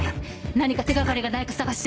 何か手掛かりがないか探して。